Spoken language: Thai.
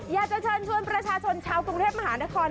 อยากจะเชิญชวนประชาชนชาวกรุงเทพมหานคร